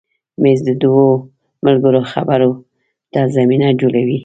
مېز د دوو ملګرو خبرو ته زمینه جوړوي.